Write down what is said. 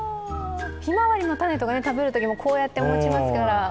ひまわりの種とか食べるときもこうやって持ちますから。